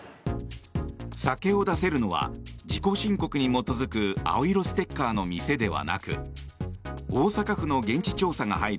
酒を出せるのは自己申告に基づく青色ステッカーの店ではなく大阪府の現地調査が入る